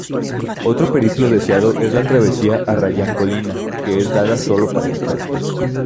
Otro periplo deseado es la Travesía Arrayán-Colina que es dada sólo para expertos.